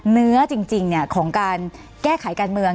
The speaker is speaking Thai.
เนื้อจริงของการแก้ไขการเมือง